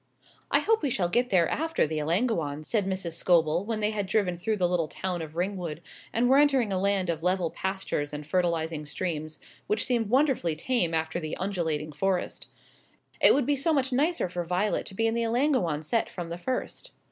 "I hope we shall get there after the Ellangowans," said Mrs. Scobel, when they had driven through the little town of Ringwood, and were entering a land of level pastures and fertilising streams, which seemed wonderfully tame after the undulating forest; "it would be so much nicer for Violet to be in the Ellangowan set from the first."